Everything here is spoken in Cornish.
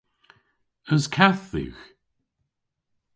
Eus kath dhywgh?